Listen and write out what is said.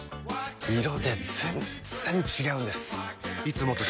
色で全然違うんです！